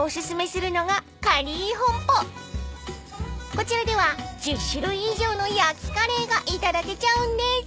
［こちらでは１０種類以上の焼きカレーが頂けちゃうんです］